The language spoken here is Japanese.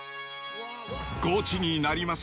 ゴチになります！